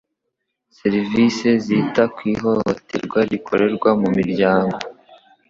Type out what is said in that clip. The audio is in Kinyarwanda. serivisi zita ku ihohoterwa rikorerwa mu miryango.